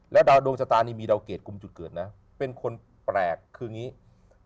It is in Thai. ดาวดวงชะตานี่มีดาวเกรดกลุ่มจุดเกิดนะเป็นคนแปลกคืออย่างนี้